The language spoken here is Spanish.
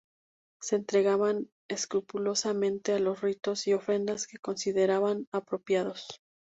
Se entregaban escrupulosamente a los ritos y ofrendas que consideraban apropiados.